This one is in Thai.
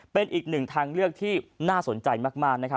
เป็นอีกหนึ่งทางเลือกที่น่าสนใจมากนะครับ